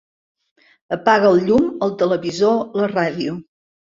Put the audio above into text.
Apaga el llum, el televisor, la ràdio.